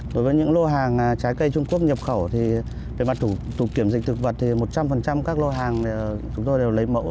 đối với những lô hàng trái cây trung quốc nhập khẩu thì về mặt thủ tục kiểm dịch thực vật thì một trăm linh các lô hàng chúng tôi đều lấy mẫu